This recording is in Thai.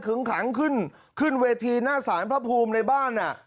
ขังขึ้นขึ้นเวทีหน้าสารพระภูมิในบ้าน